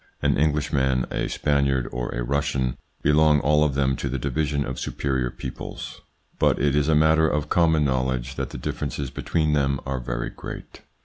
An Englishman, a Spaniard, or a Russian belong all of them to the division of superior peoples, but it is a matter of common know ledge that the differences between them are very great.